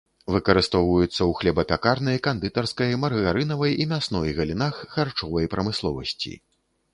Выкарыстоўваюцца ў хлебапякарнай, кандытарскай, маргарынавай і мясной галінах харчовай прамысловасці.